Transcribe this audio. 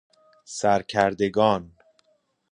سرکردگان